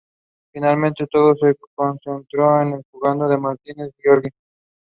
The Russians failed to reestablish the encirclement.